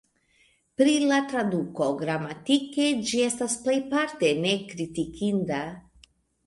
Pri la traduko: gramatike, ĝi estas plejparte nekritikinda.